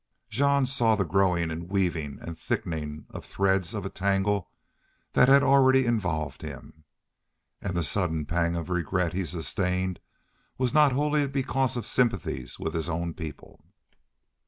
Jean saw the growing and weaving and thickening threads of a tangle that had already involved him. And the sudden pang of regret he sustained was not wholly because of sympathies with his own people.